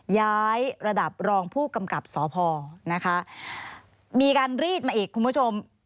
ย้ายระดับรองผู้กำกับสพนะคะมีการรีดมาอีกคุณผู้ชม